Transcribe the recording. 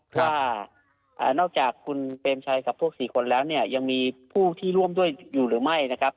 ว่านอกจากคุณเปรมชัยกับพวก๔คนแล้วเนี่ยยังมีผู้ที่ร่วมด้วยอยู่หรือไม่นะครับ